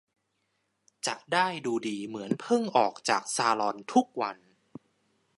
จะได้ดูดีเหมือนเพิ่งออกจากซาลอนทุกวัน